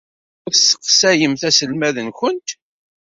Ayɣer ur tesseqsayemt aselmad-nwent?